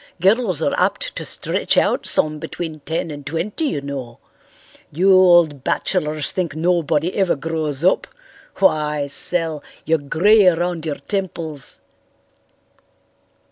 Girls are apt to stretch out some between ten and twenty, you know. You old bachelors think nobody ever grows up. Why, Sel, you're grey around your temples."